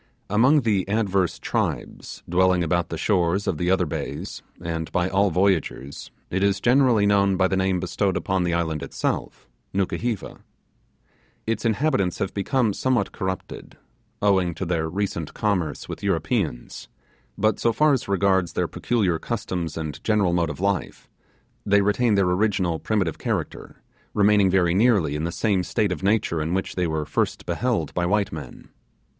Among the adverse tribes dwelling about the shores of the other bays, and by all voyagers, it is generally known by the name bestowed upon the island itself Nukuheva. Its inhabitants have become somewhat corrupted, owing to their recent commerce with Europeans, but so far as regards their peculiar customs and general mode of life, they retain their original primitive character, remaining very nearly in the same state of nature in which they were first beheld by white men.